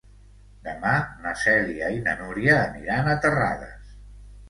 Demà na Cèlia i na Núria aniran a Terrades.